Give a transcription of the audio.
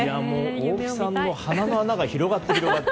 大木さんの鼻の穴が広がって広がって。